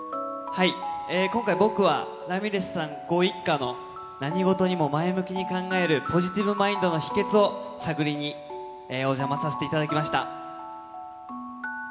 今回、僕はラミレスさんご一家の、何事にも前向きに考える、ポジティブマインドの秘けつを探りにお邪魔させていただきました。